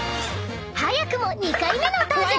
［早くも２回目の登場］